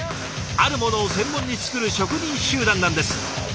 あるものを専門に作る職人集団なんです。